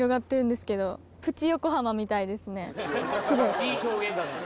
いい表現だな。